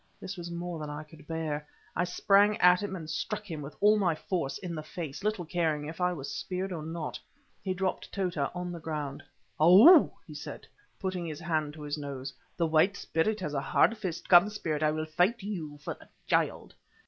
This was more than I could bear. I sprang at him and struck him with all my force in the face, little caring if I was speared or not. He dropped Tota on the ground. "Ou!" he said, putting his hand to his nose, "the White Spirit has a hard fist. Come, Spirit, I will fight you for the child."